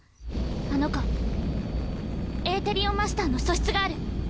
あの子エーテリオンマスターの素質がある。